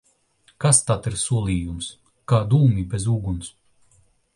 Kas tad ir solījums? Kā dūmi bez uguns!